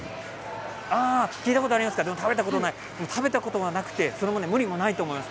聞いたことありますが食べたことない、食べたことないというのも無理はないと思います。